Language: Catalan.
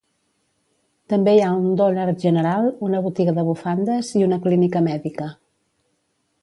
També hi ha un Dollar General, una botiga de bufandes i una clínica mèdica.